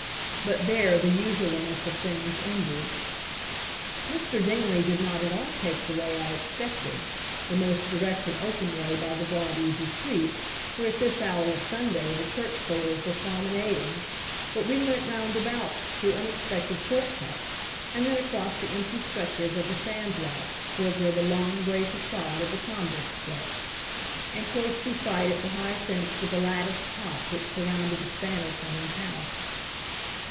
But there the usualness of things ended. Mr. Dingley did not at all take the way I expected, the most direct and open way by the broad easy streets, where at this hour of Sunday the church goers were promenading; but we went roundabout, through unexpected short cuts, and then across the empty stretches of the sand lots toward where the long gray façade of the convent stretched; and close beside it the high fence with the latticed top which surrounded the Spanish Woman's house.